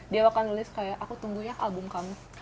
dia akan nulis kayak aku tunggu ya album kamu